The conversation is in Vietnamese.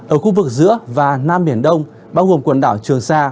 ở khu vực giữa và nam biển đông bao gồm quần đảo trường sa